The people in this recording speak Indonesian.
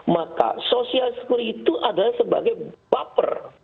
maka social security itu adalah sebagai baper